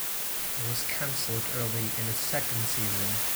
It was cancelled early in its second season.